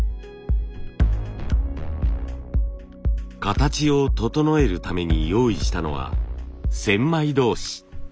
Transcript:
形を整えるために用意したのは千枚通し。